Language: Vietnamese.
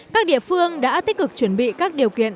các địa phương đã tích cực chuẩn bị các điều kiện